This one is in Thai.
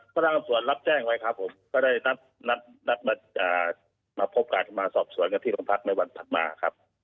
พระรามส่วนรับแจ้งไว้ครับผมก็ได้นัดมาพบการมาสอบส่วนกับที่โรงพักยังไม่วันผ่านมาครับ